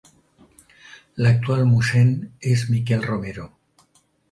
L'actual mossèn és Miquel Romero.